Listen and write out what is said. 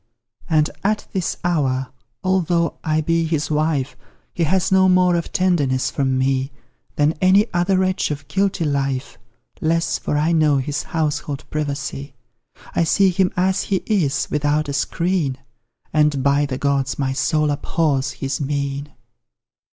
And at this hour although I be his wife He has no more of tenderness from me Than any other wretch of guilty life; Less, for I know his household privacy I see him as he is without a screen; And, by the gods, my soul abhors his mien!